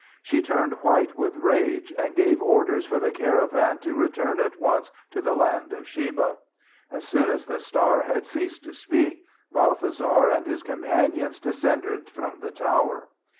She turned white with rage and gave orders for the caravan to return at once to the land of Sheba. As soon as the star had ceased to speak, Balthasar and his companions descended from the tower.